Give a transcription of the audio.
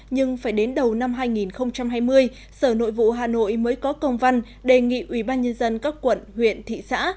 nhưng phải đến đầu năm hai nghìn hai mươi sở nội vụ hà nội mới có công văn đề nghị ubnd các quận huyện thị xã